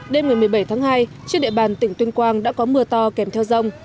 đêm ngày một mươi bảy tháng hai trên địa bàn tỉnh tuyên quang đã có mưa to kèm theo rông